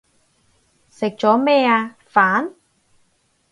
食咗咩啊？飯